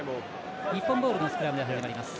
日本ボールのスクラムが始まります。